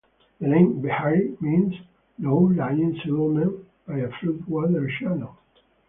The name Vehari means low-lying settlement by a flood water channel.